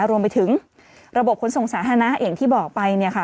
รวมไปถึงระบบขนส่งสาธารณะอย่างที่บอกไปเนี่ยค่ะ